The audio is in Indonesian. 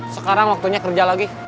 sekarang waktunya kerja lagi